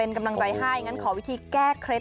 เป็นกำลังใจให้งั้นขอวิธีแก้เคล็ด